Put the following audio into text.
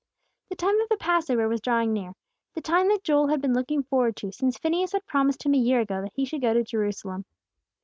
The time of the Passover was drawing near, the time that Joel had been looking forward to since Phineas had promised him a year ago that he should go to Jerusalem.